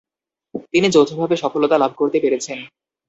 তিনি যৌথভাবে সফলতা লাভ করতে পেরেছেন।